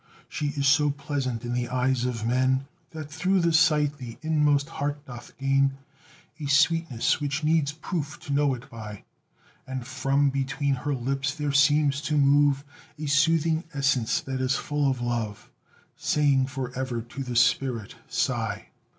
She is so pleasant in the eyes of men That through the sight the inmost heart doth gain A sweetness which needs proof to know it by; And from between her lips there seems to move A soothing essence that is full of love, Saying for ever to the spirit: "Sigh!"